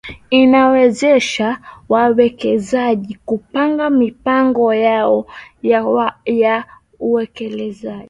inawawezesha wawekezaji kupanga mipango yao ya uwekezaji